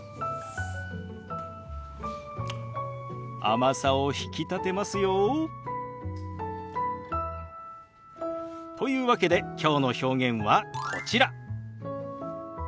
甘さを引き立てますよ。というわけできょうの表現はこちら。